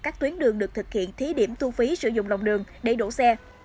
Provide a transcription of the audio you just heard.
các tuyến đường được thực hiện thí điểm thu phí sử dụng lòng đường để đổ xe